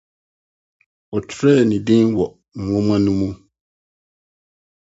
Ɔkyerɛw ne din wɔ nhoma no mu.